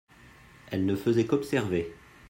elle ne faisait qu'observer.